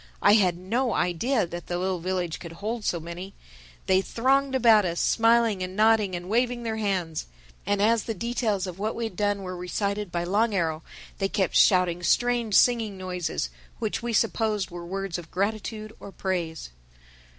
I had no idea that the little village could hold so many. They thronged about us, smiling and nodding and waving their hands; and as the details of what we had done were recited by Long Arrow they kept shouting strange singing noises, which we supposed were words of gratitude or praise.